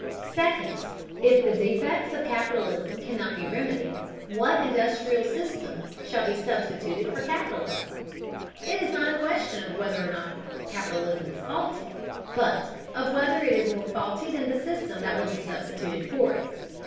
Second, if the defects of capitalism cannot be remedied, what industrial system shall be substituted for capitalism? It is not a question of whether or not capitalism is faulty, but of whether it is more faulty than the system that would be substituted for it.